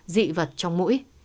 dị vật trong mũi